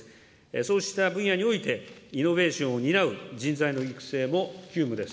そうした分野において、イノベーションを担う人材の育成も急務です。